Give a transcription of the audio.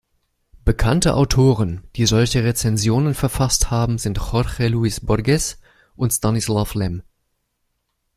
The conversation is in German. Bekannte Autoren, die solche Rezensionen verfasst haben, sind Jorge Luis Borges und Stanisław Lem.